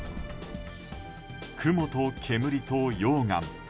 雲と煙と溶岩。